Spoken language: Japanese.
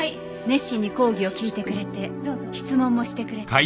熱心に講義を聞いてくれて質問もしてくれた。